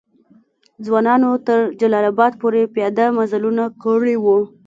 ځوانانو تر جلال آباد پوري پیاده مزلونه کړي وو.